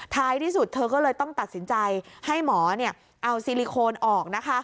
ท้ายที่สุดเธอก็เลยต้องตัดสินใจให้หมอเอาซิลิโคนออกนะคะ